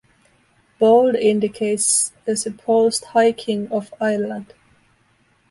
Bold indicates a supposed High King of Ireland.